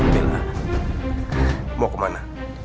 bella mau kemana